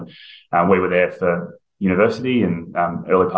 kita berada di sana untuk universitas dan bagian awal karier kita